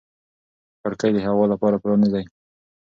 کړکۍ د هوا لپاره پرانیزئ.